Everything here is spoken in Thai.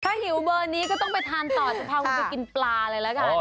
ถ้าหิวเบอร์นี้ก็ต้องไปทานต่อจะพาคุณไปกินปลาเลยละกัน